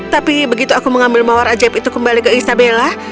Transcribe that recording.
tapi begitu aku mengambil mawar ajaib itu kembali ke isabella